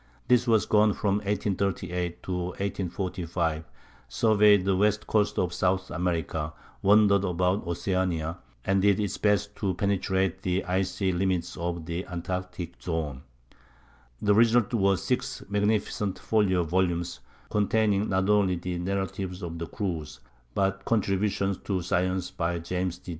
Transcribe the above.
This was gone from 1838 to 1845, surveyed the west coast of South America, wandered about Oceanica, and did its best to penetrate the icy limits of the Antarctic zone. The results were six magnificent folio volumes, containing not only the narrative of the cruise, but contributions to science by James D.